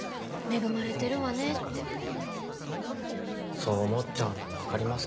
そう思っちゃうのも分かりますけどね。